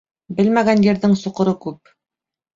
Белмәгән ерҙең соҡоро күп.